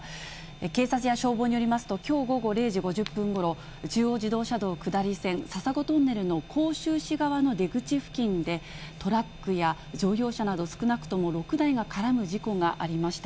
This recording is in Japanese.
警察や消防によりますと、きょう午後０時５０分ごろ、中央自動車道下り線笹子トンネルの甲州市側の出口付近で、トラックや乗用車など少なくとも６台が絡む事故がありました。